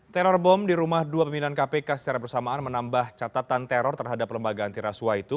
teror bom di rumah dua pimpinan kpk secara bersamaan menambah catatan teror terhadap lembaga antiraswa itu